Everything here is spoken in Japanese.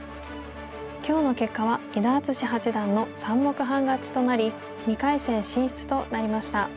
今日の結果は伊田篤史八段の３目半勝ちとなり２回戦進出となりました。